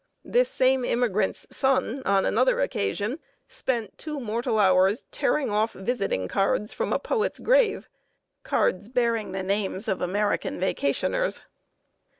This same immigrant's son, on another occasion, spent two mortal hours tearing off visiting cards from a poet's grave cards bearing the names of American vacationists.